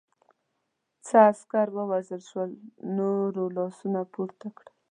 څه عسکر ووژل شول، نورو لاسونه پورته کړل.